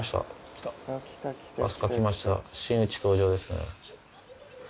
真打ち登場ですね。